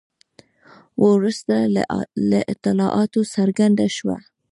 وروسته له اطلاعاتو څرګنده شوه.